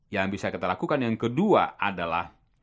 yang bisa kita lakukan yang kedua adalah